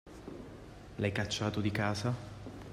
L'hai cacciato di casa?